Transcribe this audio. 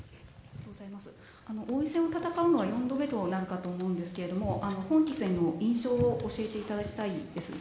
王位戦を戦うのは４度目となるかと思うのですが印象を教えていただきたいです。